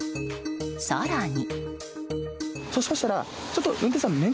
更に。